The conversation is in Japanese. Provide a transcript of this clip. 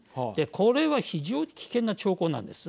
これは非常に危険な兆候なんです。